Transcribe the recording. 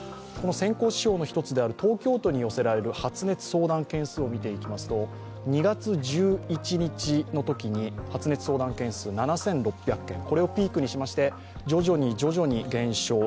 この先行指標の１つである東京都に寄せられる発熱相談件数を見ていきますと、２月１１日のときに発熱相談件数７６００件これをピークにしまして、徐々に徐々に減少